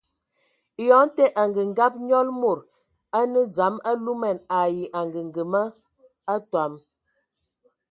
Eyɔŋ tə, angəngab nyɔl mod a nə dzam alumɛn ai angəgəma atɔm.